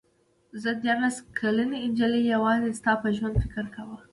زه دیارلس کلنې نجلۍ یوازې ستا په ژوند فکر کاوه.